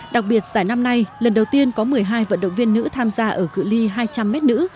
đặc biệt giải năm nay lần đầu tiên có một mươi hai vận động viên nữ tham gia ở cự li hai trăm linh m nữ